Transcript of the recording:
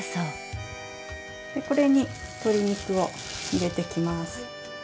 これに鶏肉を入れてきます。